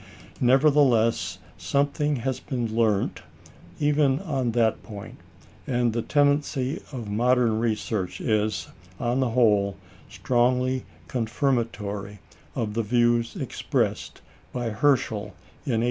Nevertheless, something has been learnt even on that point; and the tendency of modern research is, on the whole, strongly confirmatory of the views expressed by Herschel in 1802.